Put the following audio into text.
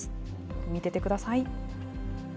見ててください。